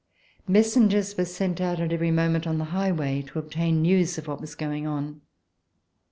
Messengers were sent out at every moment on the highway to obtain news of what was going on.